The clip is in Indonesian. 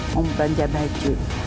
mau belanja baju